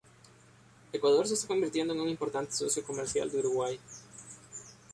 Ecuador se está convirtiendo en un importante socio comercial de Uruguay.